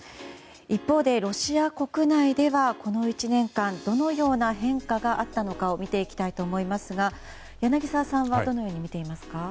一方で、ロシア国内ではこの１年間どのような変化があったのかを見ていきたいと思いますが柳澤さんはどのようにみていますか？